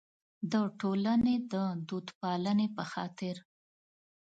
د ټولنې د دودپالنې په خاطر.